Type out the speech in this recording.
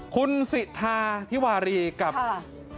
คุณสิทาธิวารีกับ